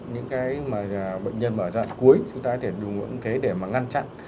những cái mà bệnh nhân mà ở giai đoạn cuối chúng ta có thể đủ nguộn thế để mà ngăn chặn